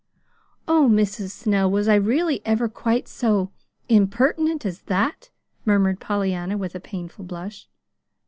"Oh, Mrs. Snow, was I really ever quite so impertinent as that?" murmured Pollyanna, with a painful blush.